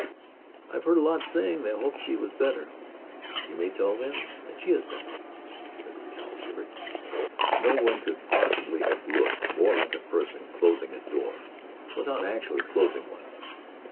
"I've heard a lot saying they hoped she was better." "You may tell them that she is better." Mrs. Cowles shivered. No one could possibly have looked more like a person closing a door without actually closing one.